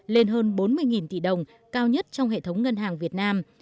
lên hơn bốn mươi tỷ đồng cao nhất trong hệ thống ngân hàng việt nam